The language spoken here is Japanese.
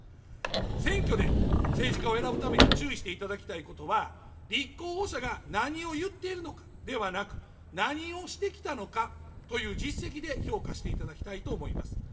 選挙で政治家を選ぶために注意していただきたいことは、立候補者が何を言っているのかではなく、何をしてきたのかという実績で評価していただきたいと思います。